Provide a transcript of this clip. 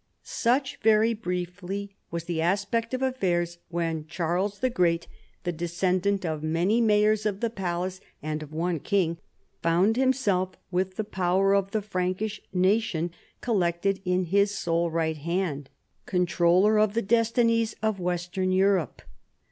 Such, very briefly, was the aspect of affairs when Charles the Great, the descendant of many Mayors of the Palace and of one King, found himself, with the power of the Frankish nation collected in his sole right hand, controller of the destinies of Western Europe.